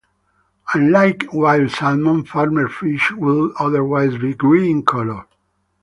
Unlike wild salmon, farmed fish would otherwise by grey in colour.